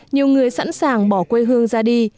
nhiều người sẵn sàng bỏ quê hương ra đi